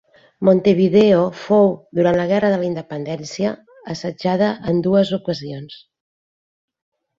Montevideo fou, durant la guerra de la independència, assetjada en dues ocasions.